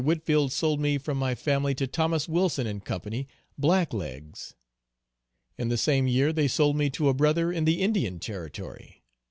Whitfield sold me from my family to Thomas Wilson and Co., blacklegs. In the same year they sold me to a "Bro." in the Indian Territory.